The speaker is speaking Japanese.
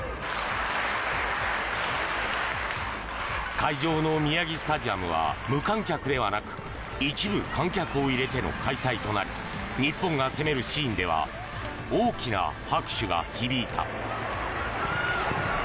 会場の宮城スタジアムは無観客ではなく一部観客を入れての開催となり日本が攻めるシーンでは大きな拍手が響いた。